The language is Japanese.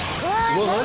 うわっ何？